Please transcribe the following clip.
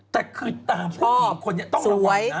แต่คือตามคนเนี่ยต้องไปก่อนเนี่ยฮะต้องดูเดีย